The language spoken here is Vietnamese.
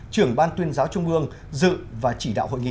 trưởng ban tuyên giáo trung ương dự và chỉ đạo hội nghị